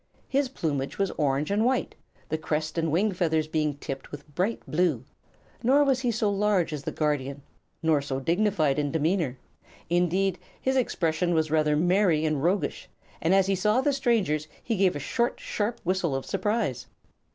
His plumage was orange and white, the crest and wing feathers being tipped with bright blue. Nor was he so large as the Guardian, nor so dignified in demeanor. Indeed, his expression was rather merry and roguish, and as he saw the strangers he gave a short, sharp whistle of surprise.